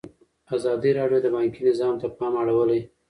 ازادي راډیو د بانکي نظام ته پام اړولی.